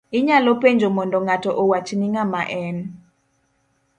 Inyalo penjo mondo ngato owachni ng'ama en;